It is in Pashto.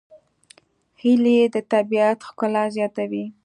هیلۍ د طبیعت ښکلا زیاتوي